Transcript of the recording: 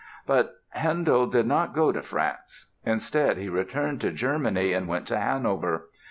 But Handel did not go to France. Instead, he returned to Germany and went to Hanover.